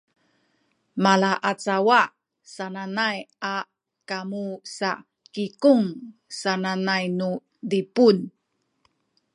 malaacawa sananay a kamu sa “kikung” sananay nu Zipun